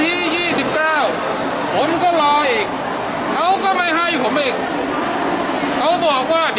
เรียกว่างานที่๑๕จะให้ทุกคนในจุดที่๑๒